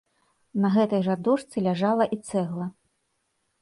На гэтай жа дошцы ляжала і цэгла.